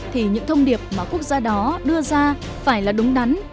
thì những thông điệp mà quốc gia đó đưa ra phải là đúng đắn